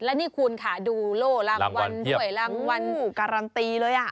และนี่คุณค่ะดูโลหลังวันเตรียมโหการันตีเลยอ่ะ